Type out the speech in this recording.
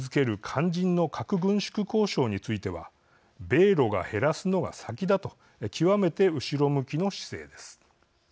肝心の核軍縮交渉については米ロが減らすのが先だと極めて後ろ向きの姿勢です。